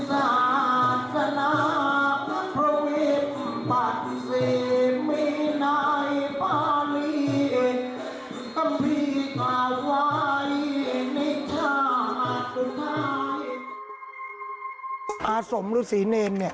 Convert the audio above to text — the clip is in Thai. จะเป็นอะไร